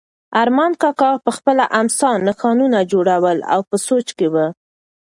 ارمان کاکا په خپله امسا نښانونه جوړول او په سوچ کې و.